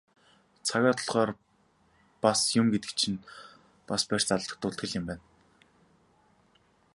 Цагаа тулахаар бас юм гэдэг чинь бас барьц алдуулдаг л юм байна.